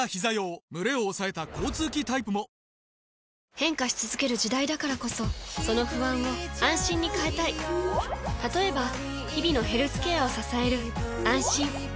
変化し続ける時代だからこそその不安を「あんしん」に変えたい例えば日々のヘルスケアを支える「あんしん」